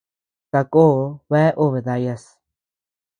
Sako bea obe dayas.